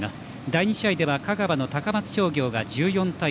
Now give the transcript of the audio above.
第２試合では香川の高松商業が１４対４。